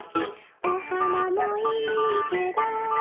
「お花もいいけど」